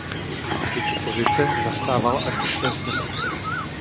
Tyto pozice zastával až do své smrti.